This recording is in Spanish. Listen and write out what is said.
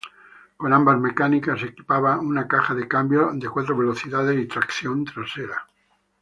Con ambas mecánicas equipaba una caja de cambios de cuatro velocidades y tracción trasera.